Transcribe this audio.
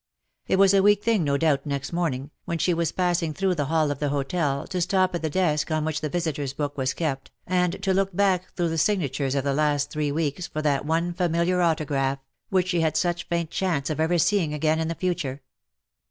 It was a weak thing no doubt next morning, when she was passing through the hall of the hotel, to stop at the desk on which the visitors' book was kept, and to look back through the signatures of the last three weeks for that one familiar autograph which she had such faint chance of ever seeing again in the future.